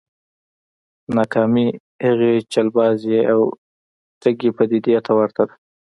ناکامي هغې چلبازې او ټګې پديدې ته ورته ده.